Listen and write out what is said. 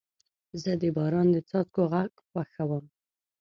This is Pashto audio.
زه د باران د څاڅکو غږ خوښوم.